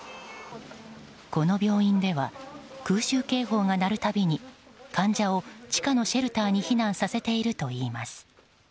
この病院では空襲警報が鳴る度に患者を地下のシェルターに避難させているといいます。